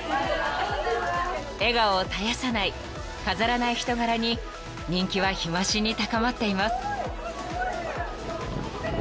［笑顔を絶やさない飾らない人柄に人気は日増しに高まっています］